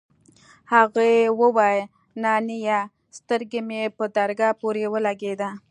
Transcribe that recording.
هغې وويل نانيه سترگه مې په درگاه پورې ولگېده.